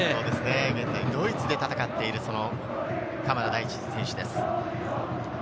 現在ドイツで戦っている鎌田大地選手です。